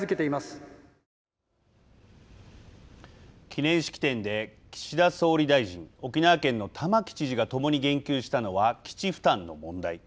記念式典で岸田総理大臣沖縄県の玉城知事がともに言及したのは基地負担の問題。